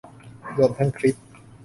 รวมทั้งคลิป